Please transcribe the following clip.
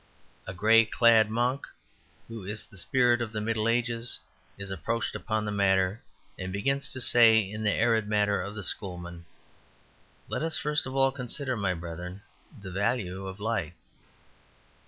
A grey clad monk, who is the spirit of the Middle Ages, is approached upon the matter, and begins to say, in the arid manner of the Schoolmen, "Let us first of all consider, my brethren, the value of Light.